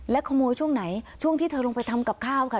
ขโมยช่วงไหนช่วงที่เธอลงไปทำกับข้าวค่ะ